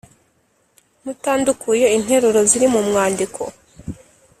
mutandukuye interuro ziri mu mwandiko.